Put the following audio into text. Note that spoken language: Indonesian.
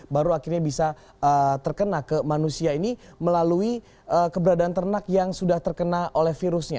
baru akhirnya bisa terkena ke manusia ini melalui keberadaan ternak yang sudah terkena oleh virusnya